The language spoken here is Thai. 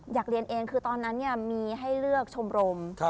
อยากเรียนเองคือตอนนั้นมีให้เลือกชมรม